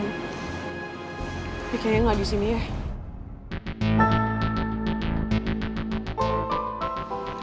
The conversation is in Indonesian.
tapi kayaknya gak disini ya